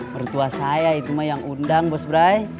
mertua saya itu mah yang undang bos brai